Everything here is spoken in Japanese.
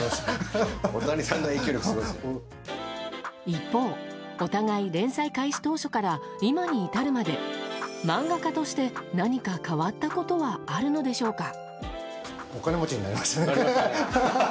一方、お互い連載開始当初から今に至るまで、漫画家として何か変わったことはあるのでしょうか。